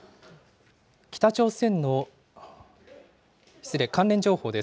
北朝鮮の、失礼、関連情報です。